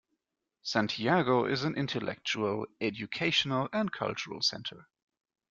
Santiago is an intellectual, educational, and cultural center.